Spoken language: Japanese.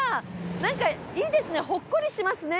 なんかいいですねほっこりしますね。